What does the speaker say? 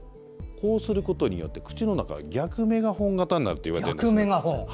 こうすることによって口の中が逆メガホン型になるっていわれてるんです。